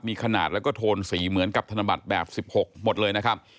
มีขนาดแล้วก็โทนสีเหมือนกับธนบัตรแบบ๑๖หมดเลยนะครับ